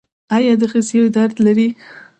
ایا د خصیو درد لرئ؟